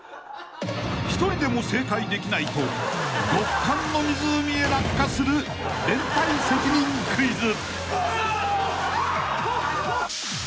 ［１人でも正解できないと極寒の湖へ落下する連帯責任クイズ］